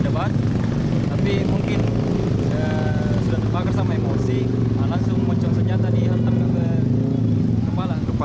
ke depan tapi mungkin sudah terbakar sama emosi langsung muncul senjata dihantam ke kepala kepala